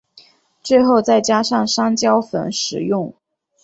最后再加上山椒粉食用。